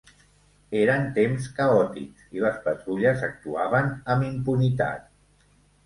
Eren temps caòtics i les patrulles actuaven amb impunitat.